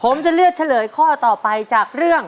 ผมจะเลือกเฉลยข้อต่อไปจากเรื่อง